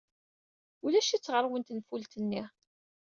Ulac-itt ɣer-wen tenfult-nni.